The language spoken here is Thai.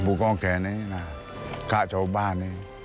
ผู้กองแเคนนี้น่ะฆ่าเจ้าบ้านนี่